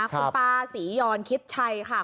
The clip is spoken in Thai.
คุณป้าศรียรคิดใช่ค่ะ